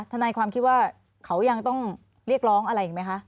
ทนายความคิดว่าเขายังต้องเรียกร้องอะไรอีกไหมคะ